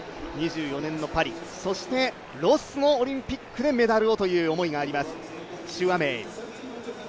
２４年のパリ、そしてロスのオリンピックでメダルをという思いがあります朱亜明。